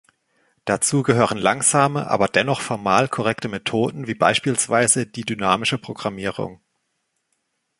Dazu gehören langsame, aber dennoch formal korrekte Methoden wie beispielsweise die dynamische Programmierung.